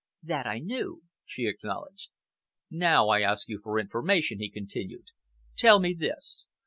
"That I knew," she acknowledged. "Now I ask you for information," he continued. "Tell me this?